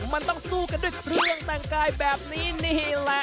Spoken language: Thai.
มันต้องสู้กันด้วยเครื่องแต่งกายแบบนี้นี่แหละ